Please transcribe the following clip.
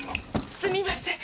すみません。